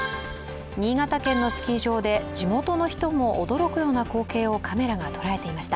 新潟県のスキー場で地元の人も驚くような光景をカメラが捉えていました。